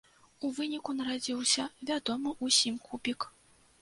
У выніку нарадзіўся вядомы ўсім кубік.